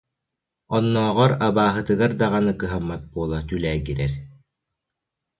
Оннооҕор, абааһытыгар даҕаны кыһаммат буола түлээгирэр